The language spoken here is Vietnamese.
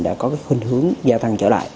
đã có hình hướng gia tăng trở lại